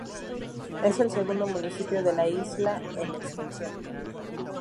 Es el segundo municipio de la isla en extensión.